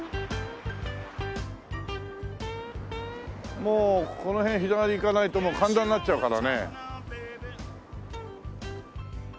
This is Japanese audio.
もうこの辺左行かないと神田になっちゃうからね。